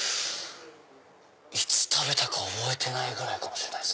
いつ食べたか覚えてないぐらいかもしれない。